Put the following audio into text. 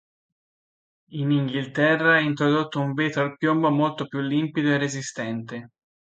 In Inghilterra è introdotto un vetro al piombo molto più limpido e resistente.